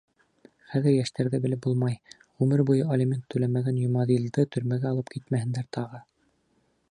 Хәҙер йәштәрҙе белеп булмай, ғүмер буйы алимент түләмәгән Йомаҙилды төрмәгә алып китмәһендәр тағы.